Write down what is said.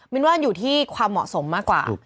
นว่าอยู่ที่ความเหมาะสมมากกว่า